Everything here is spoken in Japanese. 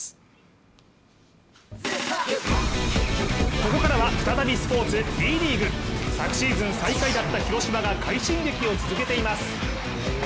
ここからは再びスポーツＢリーグ。昨シーズン最下位だった広島が快進撃を続けています。